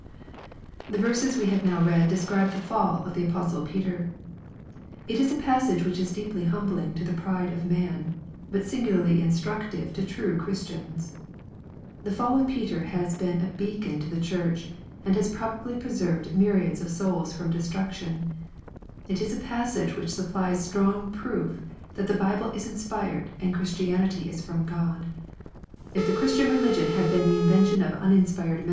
The verses we have now read describe the fall of the apostle Peter. — It is a passage which is deeply humbling to the pride of man, but singularly instructive to true Christians. The fall of Peter has been a beacon to the Church, and has probably preserved myriads of souls from destruction. — ^It is a passage which supplies strong proof that the Bible is inspired and Christianity is from God. If the Christian religion had been the invention of uninspired